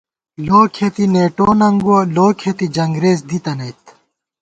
لو کھېتی نېٹو ننگُوَہ ، لو کھېتی جنگرېز دی تنَئیت